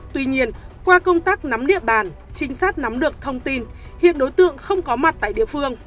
tuy nhiên qua công tác nắm địa bàn trinh sát nắm được thông tin hiện đối tượng không có mặt tại địa phương